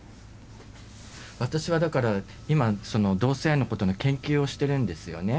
私はだから今同性愛のことの研究をしてるんですよね